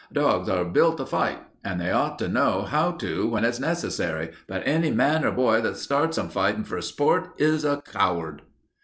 Dogs are built to fight, and they ought to know how to when it's necessary, but any man or boy that starts 'em fightin' for sport is a coward."